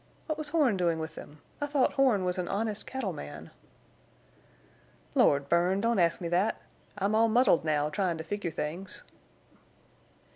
What was Horne doing with them? I thought Horne was an honest cattle man." "Lord—Bern, don't ask me thet! I'm all muddled now tryin' to figure things."